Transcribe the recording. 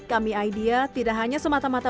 kami idea tidak hanya semata mata